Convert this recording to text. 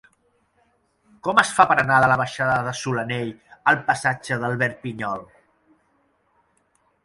Com es fa per anar de la baixada de Solanell al passatge d'Albert Pinyol?